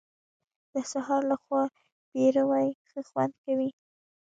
د سهار له خوا پېروی ښه خوند کوي .